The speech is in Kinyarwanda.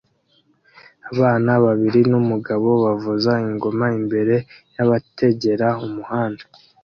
Abana babiri numugabo bavuza ingoma imbere yabategera umuhanda